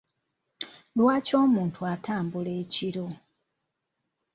Lwaki omuntu atambula ekiro?